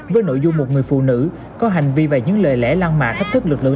với nội dung một người phụ nữ có hành vi và những lời lẽ lan mạ thách thức lực lượng